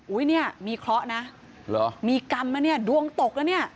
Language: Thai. อุ๊ยเนี่ยมีเคราะห์มีกรรมดูงตก